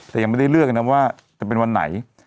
แต่ยังไม่ได้เลือกนะว่าจะเป็นวันไหน